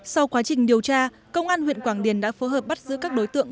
sau quá trình điều tra công an huyện quảng điền đã phối hợp bắt giữ các đối tượng